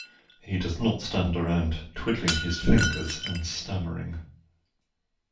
He does not stand around, twiddling his fingers and stammering.